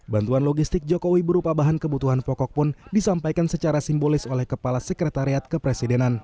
bantuan logistik jokowi berupa bahan kebutuhan pokok pun disampaikan secara simbolis oleh kepala sekretariat kepresidenan